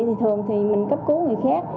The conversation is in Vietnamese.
thì thường thì mình cấp cứu người khác